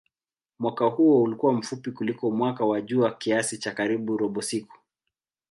Mwaka huo ulikuwa mfupi kuliko mwaka wa jua kiasi cha karibu robo siku.